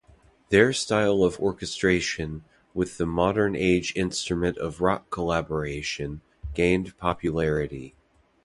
Their style of orchestration with the modern age instrument of rock collaboration gained popularity.